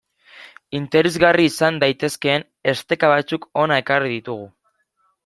Interesgarri izan daitezkeen esteka batzuk hona ekarri ditugu.